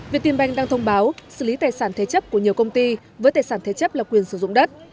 việt tiên banh đang thông báo xử lý tài sản thế chấp của nhiều công ty với tài sản thế chấp là quyền sử dụng đất